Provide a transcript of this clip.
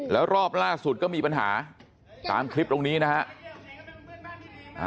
แล้วรอบล่าสุดก็มีปัญหาตามคลิปตรงนี้นะฮะ